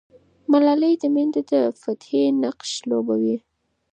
ملالۍ د مېوند د فتحې نقش لوبوي.